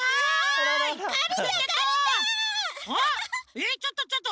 えっちょっとちょっと！